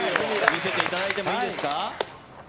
見せていただいていいですか。